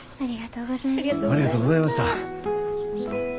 ありがとうございます。